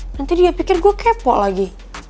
nanti dia pikir gue kepo lagi